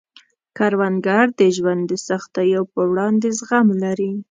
کروندګر د ژوند د سختیو په وړاندې زغم لري